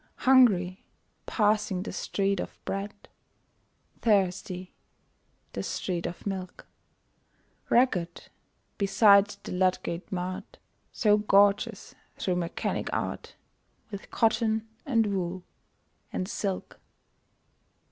Hungry passing the Street of Bread; Thirsty the street of Milk; Ragged beside the Ludgate Mart, So gorgeous, through Mechanic Art, With cotton, and wool, and silk!